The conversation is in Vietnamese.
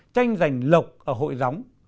tranh giành lộc ở hội gióng